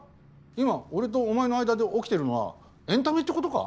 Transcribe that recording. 今俺とお前の間で起きてるのはエンタメってことか？